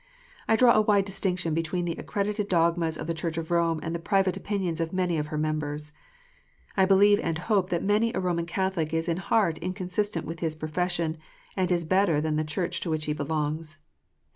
I draw a wide distinction between the accredited dogmas of the Church of Rome and the private opinions of many of her members. I believe and hope that many a Roman Catholic is in heart inconsistent with his profession, and is better than the Church to which he belongs.